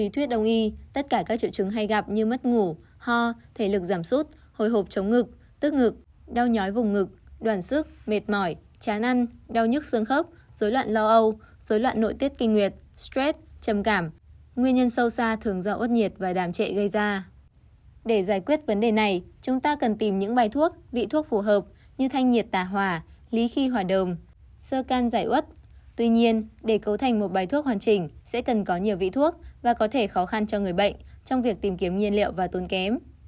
tuy nhiên để cấu thành một bài thuốc hoàn chỉnh sẽ cần có nhiều vị thuốc và có thể khó khăn cho người bệnh trong việc tìm kiếm nhiên liệu và tôn kém